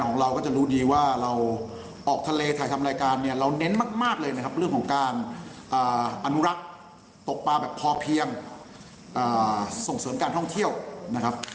อนุรักษ์ตกปลาแบบพอเพียงอ่าส่งเสริมการท่องเที่ยวนะครับ